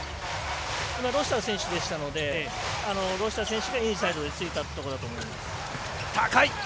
今、ロシター選手でしたのでロシター選手がインサイドでついたところだと思います。